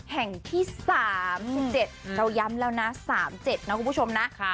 แห่งที่๓๗เราย้ำแล้วนะ๓๗นะคุณผู้ชมนะ